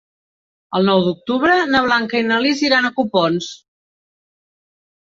El nou d'octubre na Blanca i na Lis iran a Copons.